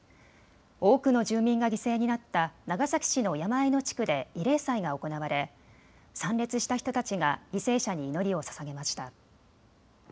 多くの住民が犠牲になった長崎市の山あいの地区で慰霊祭が行われ参列した人たちが犠牲者に祈りをささげました。